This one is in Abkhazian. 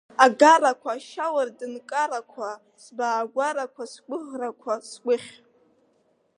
Агарақәа ашьауардын карақәа, сбаагәарақәа, сгәыӷрақәа, сгәыхь!